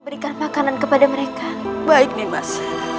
berikan makanan kepada mereka baik nih mas